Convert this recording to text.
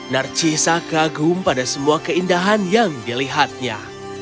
narcisa kagum pada semua keindahan yang dilihatnya